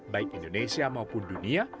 baik indonesia maupun dunia